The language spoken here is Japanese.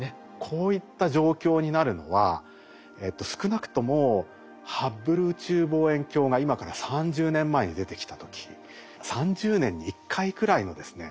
こういった状況になるのは少なくともハッブル宇宙望遠鏡が今から３０年前に出てきた時３０年に１回くらいのですね